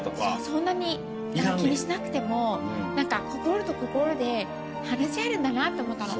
そんなに気にしなくても心と心で話し合えるんだなって思ったの。